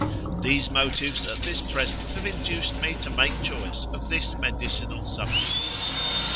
These motives at this present have induced me to make choice of this medicinal subject.